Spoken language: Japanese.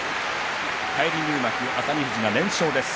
返り入幕の熱海富士、連勝です。